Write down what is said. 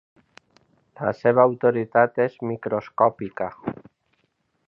La seva autoritat és microscòpica.